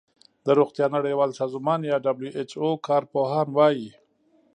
د روغتیا نړیوال سازمان یا ډبلیو ایچ او کار پوهان وايي